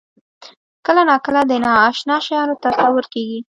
کله ناکله د نااشنا شیانو تصور کېږي.